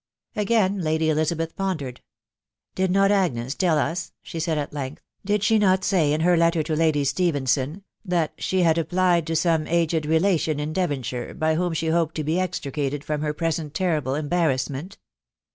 Again Lady Elizabeth pondered. *c Did not Agnes tell us," she said at lenjgth, * did she not say in her letter to Lady Stephenson, that she had applied to some aged relation in Devonshire, by whom she Imped to he extricated from her present terrible embarrassment?